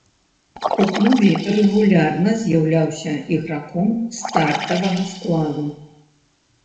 У клубе рэгулярна з'яўляўся іграком стартавага складу.